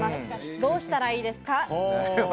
どうしたらいいですか？